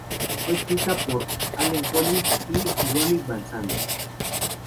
Fue escrita por Allen Collins y Ronnie Van Zant.